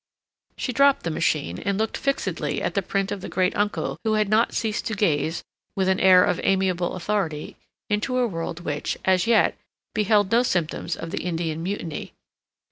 She dropped the machine, and looked fixedly at the print of the great uncle who had not ceased to gaze, with an air of amiable authority, into a world which, as yet, beheld no symptoms of the Indian Mutiny.